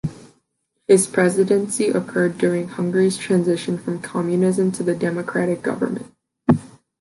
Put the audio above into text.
His presidency occurred during Hungary's transition from Communism to democratic government.